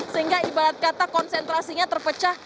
sehingga ibarat kata konsentrasinya terpecah